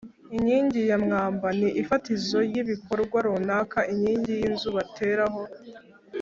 inkingi ya mwamba: ni ifatizo ry’ibikorwa runaka, inkingi y’inzu bateraho